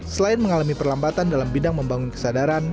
selain mengalami perlambatan dalam bidang membangun kesadaran